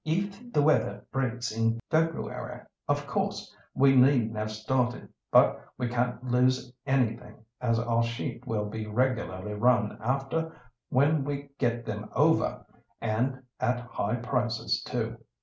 If the weather breaks in February, of course we needn't have started, but we can't lose anything, as our sheep will be regularly run after when we get them over, and at high prices too.